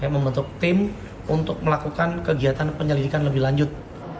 membentuk tim untuk melakukan kegiatan penyelidikan lebih lanjut